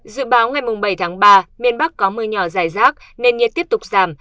dự báo ngày bảy tháng ba miền bắc có mưa nhỏ dài rác nên nhiệt tiếp tục giảm